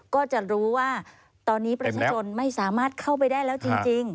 ก็จะรู้ว่าตอนนี้ประชาชนไม่สามารถเข้าไปได้แล้วจริง